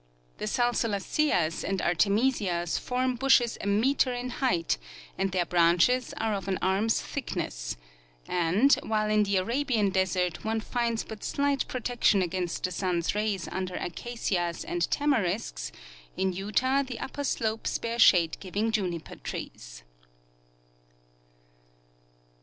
The salsula ceas and artemisias form bushes a meter in height, and their branches are of an arm's thickness ; and, while in the Arabian desert one finds but slight protection against the sun's rays under acacias and tamarisks, in Utah the upper slopes bear shade giving juniper trees.